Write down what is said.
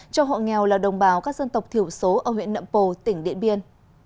cho hộ nghèo là đồng bào các dân tộc thiểu số ở huyện nậm pồ tỉnh điện biên